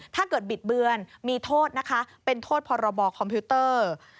ถ้าเกิดบิดเบือนมีโทษนะคะเป็นโทษพอเราบอคคอมพิวเตอร์